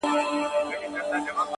سوال کوم کله دي ژړلي گراني ـ